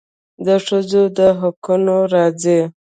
د ښځو د حقونو راځي.